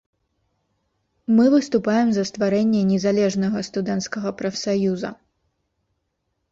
Мы выступаем за стварэнне незалежнага студэнцкага прафсаюза.